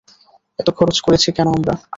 এত খরচ করছি কেন আমরা?